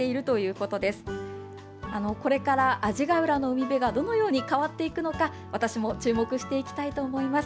これから阿字ヶ浦の海辺がどのように変わっていくのか、私も注目していきたいと思います。